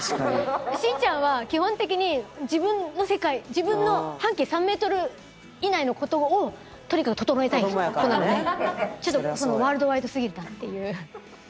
しんちゃんは基本的に自分の世界自分の半径３メートル以内の事をとにかく整えたい子なのでちょっとワールドワイドすぎるなっていう。